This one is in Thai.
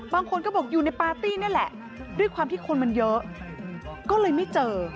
บางคนก็บอกอยู่ในปาร์ตี้นี่แหละด้วยความที่คนมันเยอะก็เลยไม่เจอ